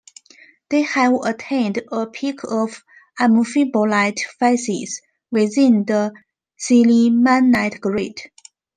They have attained a peak of Amphibolite Facies, within the sillimanite grade.